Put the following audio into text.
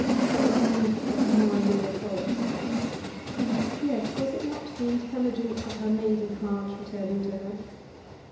An end of my authority. Yes, was it not the intelligence of her maiden heart returning to her?